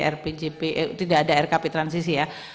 rpjp tidak ada rkp transisi ya